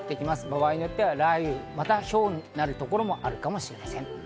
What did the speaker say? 場合によっては雷雨、またはひょうが降るところもあるかもしれません。